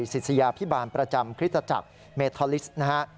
ศิษยาพิบาลประจำคริสตจักรเมทอลิสนะฮะ